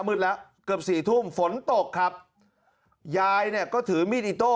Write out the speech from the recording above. มืดแล้วเกือบสี่ทุ่มฝนตกครับยายเนี่ยก็ถือมีดอิโต้